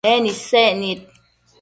En isec nid